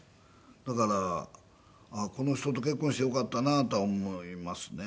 だからこの人と結婚してよかったなとは思いますね。